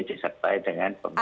disertai dengan pemerintahan